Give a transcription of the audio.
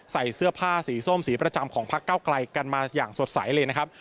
ใส่เสื้อผ้าสีส้มสีประจำของพักเก้าไกลกันมาอย่างสดใสเลยนะครับ